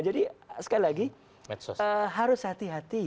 jadi sekali lagi harus hati hati